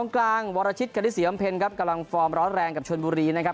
กลางวรชิตกณิตศรีอำเพ็ญครับกำลังฟอร์มร้อนแรงกับชนบุรีนะครับ